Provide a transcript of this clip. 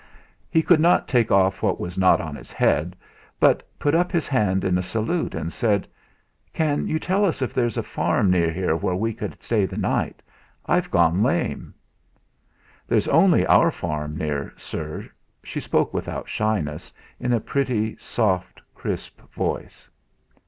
He could not take off what was not on his head, but put up his hand in a salute, and said: "Can you tell us if there's a farm near here where we could stay the night? I've gone lame." "There's only our farm near, sir." She spoke without shyness, in a pretty soft crisp voice.